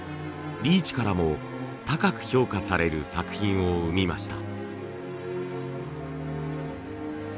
リーチからも高く評価される作品を生みました。